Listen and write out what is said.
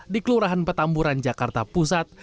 di kelurahan petamburan jakarta pusat